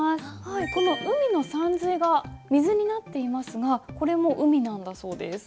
この「海」のさんずいが「水」になっていますがこれも「海」なんだそうです。